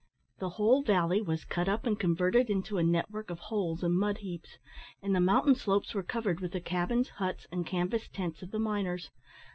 The whole valley was cut up and converted into a net work of holes and mud heaps, and the mountain slopes were covered with the cabins, huts, and canvas tents of the miners.